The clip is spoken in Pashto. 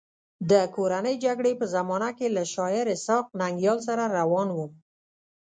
د کورنۍ جګړې په زمانه کې له شاعر اسحق ننګیال سره روان وم.